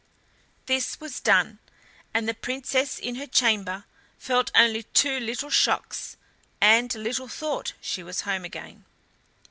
This was done, and the Princess in her chamber felt only two little shocks, and little thought she was home again.